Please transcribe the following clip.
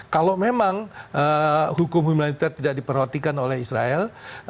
kalau memang hukum militer tidak diperhatikan oleh israel